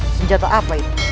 senjata apa itu